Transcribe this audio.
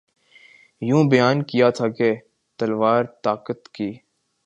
یوں بیان کیا تھا کہ تلوار طاقت کی